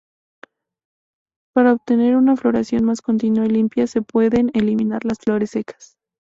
Para obtener una floración más continua y limpia, se pueden eliminar las flores secas.